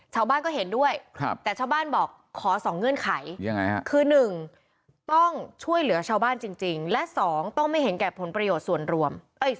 ชาวบ้านก็เห็นด้วยแต่ชาวบ้านบอกขอ๒เงื่อนไขคือ๑ต้องช่วยเหลือชาวบ้านจริงและ๒ต้องไม่เห็นแก่ผลประโยชน์ส่วนรวม